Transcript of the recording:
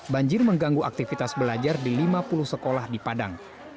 banjir mengganggu aktivitas belajar di lima puluh sekolah di padang